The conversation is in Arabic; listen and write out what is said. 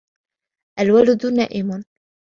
الْوَلَدُ نَائِمٌ.